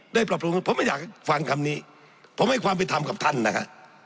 ได้ปรับปรุงผมไม่อยากฟังคำนี้ผมให้ความผิดทำกับท่านนะคะ